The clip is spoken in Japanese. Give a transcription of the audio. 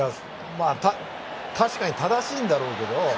確かに正しいんだろうけど。